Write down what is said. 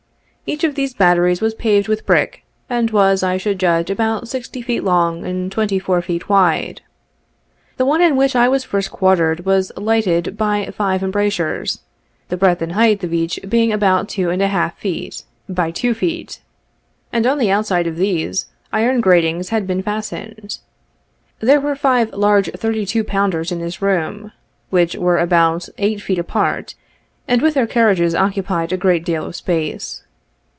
Each of these batteries was paved with brick, and was, I should judge, about sixty feet long and twenty four feet wide. The one in which I was first quartered was lighted by five embrasures, the breadth and height of each being about two and a half by two feet, and on the outside of these, iron gratings had been fastened. There were five large thirty two pounders in this room, which were about eight feet apart, and with their carriages occupied a great deal of space.